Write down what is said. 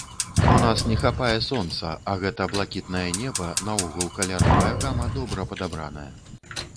У нас не хапае сонца, а гэта блакітнае неба, наогул каляровая гама добра падабраная.